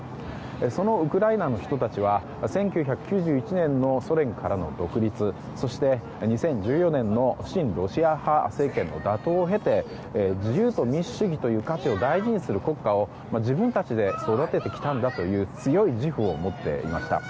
そのウクライナの人たちは１９９１年のソ連からの独立そして２０１４年の親ロシア派政権の打倒を経て自由と民主主義という価値を大事にする国家を自分たちで育ててきたんだという強い自負を持っていました。